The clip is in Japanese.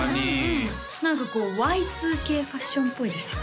何かこうＹ２Ｋファッションっぽいですよね